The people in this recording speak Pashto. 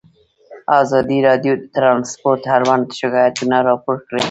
ازادي راډیو د ترانسپورټ اړوند شکایتونه راپور کړي.